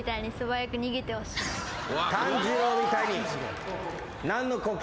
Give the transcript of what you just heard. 炭治郎みたいに。